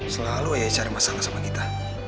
selalu ayah cari masalah sama kita